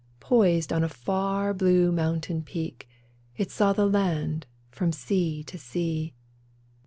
Poised on a far blue mountain peak, It saw the land, from sea to sea.